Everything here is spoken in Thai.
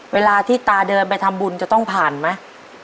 เวลาที่ตาเดินไปทำบุญจะต้องผ่านไหม